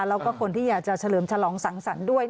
แล้วก็คนที่อยากจะเฉลิมฉลองสังสรรค์ด้วย